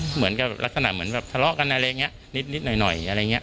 เหมือนกับลักษณะเหมือนแบบทะเลาะกันอะไรอย่างนี้นิดหน่อยอะไรอย่างนี้